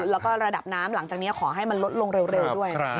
แล้วก็ระดับน้ำหลังจากนี้ขอให้มันลดลงเร็วด้วย